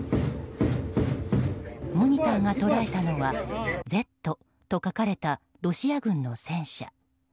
モニターが捉えたのは「Ｚ」と書かれたロシア軍の戦車。